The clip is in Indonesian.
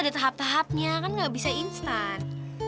ada tahap tahapnya kan nggak bisa instan